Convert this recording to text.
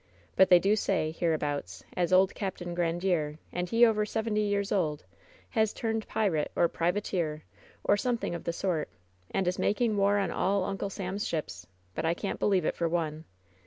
"But they do say, hereabouts, as old Capt. Grandiere — and he over seventy years old — has turned pirate, or privateer, or something of the sort, and is making war on all Uncle Sam's ships; but I can't believe it for one.